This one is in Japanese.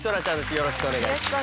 よろしくお願いします。